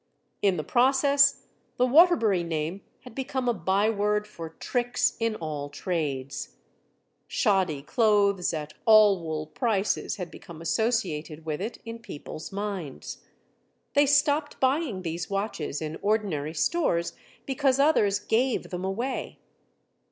In the process, the Waterbury name had become a byword for tricks in all trades. Shoddy clothes at all wool prices had become associated with it in people's minds. They stopped buying these watches in ordinary stores because others "gave" them away.